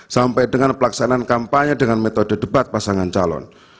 sampai dengan pelaksanaan kampanye dengan metode debat pasangan calon